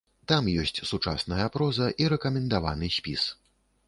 Там ёсць сучасная проза і рэкамендаваны спіс.